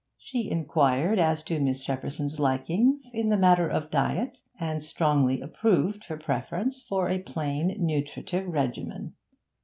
She inquired as to Miss Shepperson's likings in the matter of diet, and strongly approved her preference for a plain, nutritive regimen.